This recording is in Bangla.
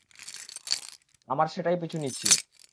আমার সেটাই পিছু নিছি।